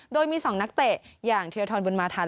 โดยมี๒นักเตะอย่างเทียทรบุญมาทัน